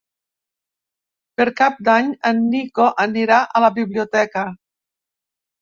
Per Cap d'Any en Nico anirà a la biblioteca.